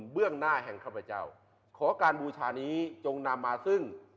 เบื้องหน้าแห่งข้าพเจ้าขอการบูชานี้จงนำมาซึ่ง